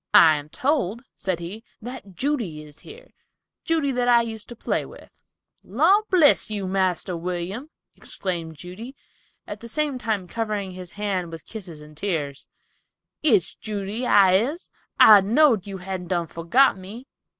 "I am told," said he, "that Judy is here, Judy, that I used to play with." "Lor' bless you, Marster William," exclaimed Judy, at the same time covering his hand with tears and kisses, "It's Judy, I is, I know'd you hadn't done forgot me."